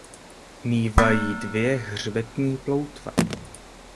Mívají dvě hřbetní ploutve.